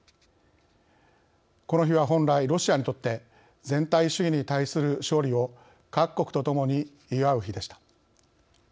この日は本来ロシアにとって全体主義に対する勝利を各国とともに祝う日でした。